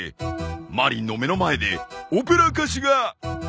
マリンの目の前でオペラ歌手が消えた。